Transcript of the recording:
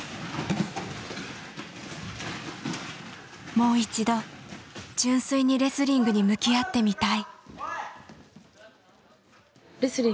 もう一度純粋にレスリングに向き合ってみたい。